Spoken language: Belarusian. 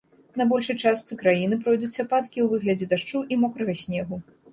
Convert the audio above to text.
На большай частцы краіны пройдуць ападкі ў выглядзе дажджу і мокрага снегу.